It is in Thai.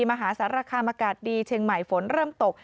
มหาสารคามอากาศดีเชียงใหม่ฝนเริ่มตก